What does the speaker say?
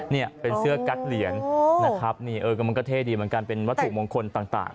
เนี่ยเป็นเสื้อกั๊กเหรียญนะครับนี่เออก็มันก็เท่ดีเหมือนกันเป็นวัตถุมงคลต่าง